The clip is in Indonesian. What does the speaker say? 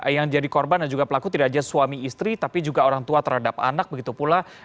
yang jadi korban dan juga pelaku tidak hanya suami istri tapi juga orang tua terhadap anak begitu pula